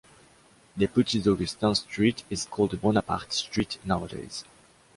Des Petits-Augustins street is called Bonaparte street nowadays.